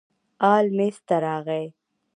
ال میز ته راغی.